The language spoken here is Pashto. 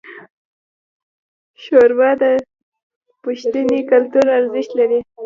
ښوروا د پښتني کلتور ارزښت لري.